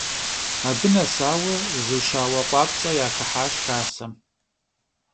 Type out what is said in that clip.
Abı nesaue, zı şaue khuapts'e yaxıhaş xasem.